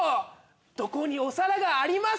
どこにお皿があります